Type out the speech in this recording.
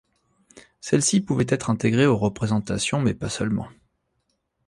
Celles-ci pouvaient être intégrées aux représentation mais pas seulement.